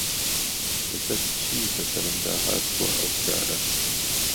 له سهر چی به سهرم دا هاتووه ئهوکاره